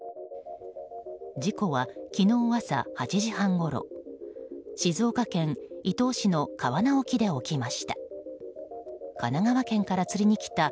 事故は昨日朝８時半ごろ静岡県伊東市の川奈沖で起きました。